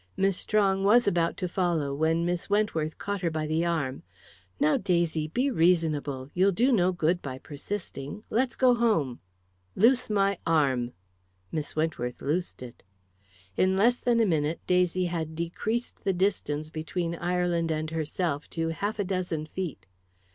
Miss Strong was about to follow, when Miss Wentworth caught her by the arm. "Now, Daisy, be reasonable you'll do no good by persisting let's go home." "Loose my arm." Miss Wentworth loosed it. In less than a minute Daisy had decreased the distance between Ireland and herself to half a dozen feet.